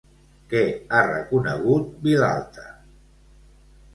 Què ha reconegut Vilalta?